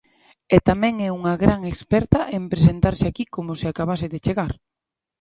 E tamén é unha gran experta en presentarse aquí como se acabase de chegar.